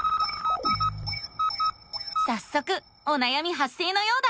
さっそくおなやみ発生のようだ。